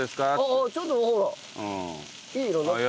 あっちょっとほらいい色になってきた。